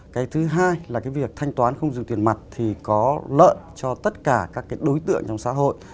cái thứ hai là cái việc thanh toán không dùng tiền mặt thì có lợi cho tất cả các đối tượng trong xã hội